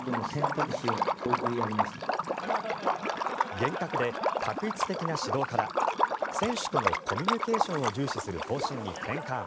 厳格で画一的な指導から選手とのコミュニケーションを重視する方針に転換。